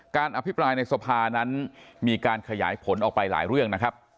อภิปรายในสภานั้นมีการขยายผลออกไปหลายเรื่องนะครับ